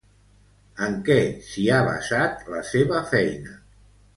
En què s'hi ha basat la seva feina?